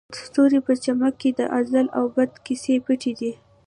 د ستوري په چمک کې د ازل او ابد کیسې پټې دي.